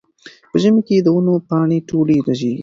په ژمي کې د ونو پاڼې ټولې رژېږي.